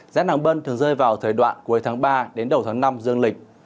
rét nắng bân thường rơi vào thời đoạn cuối tháng ba đến đầu tháng năm dương lịch